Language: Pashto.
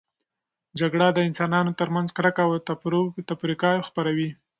جګړه د انسانانو ترمنځ کرکه او تفرقه خپروي.